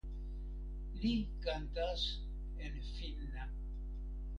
Li kantas en finna.